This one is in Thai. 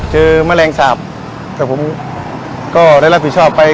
แมลงสาปแต่ผมก็ได้รับผิดชอบไป